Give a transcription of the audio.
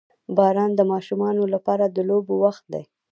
• باران د ماشومانو لپاره د لوبو وخت وي.